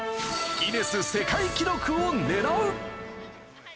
ギネス世界記録をねらう。